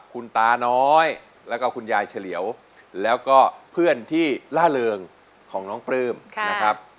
คุณตาน้อยแล้วก็คุณยายเฉลียวแล้วก็เพื่อนที่ล่าเริงของน้องปลื้มนะครับ